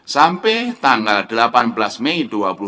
sampai tanggal delapan belas mei dua ribu dua puluh